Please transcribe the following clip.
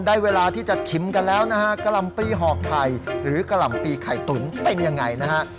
ได้เวลาที่จะชิมกันแล้วนะฮะกะหล่ำปีหอกไข่หรือกะหล่ำปีไข่ตุ๋นเป็นยังไงนะฮะ